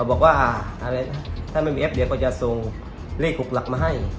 บอกถ้าไม่มีแอปเดี๋ยวก็จะส่งเลขหกหลักมาให้